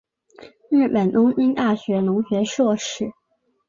日本东京大学农学硕士。